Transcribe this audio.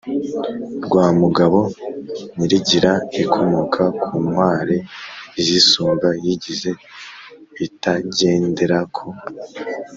rwa mugabo nyirigira: ikomoka ku ntwari izisumba, yigize (itagendera ku